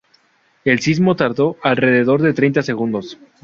El sismo tardó alrededor de treinta segundos.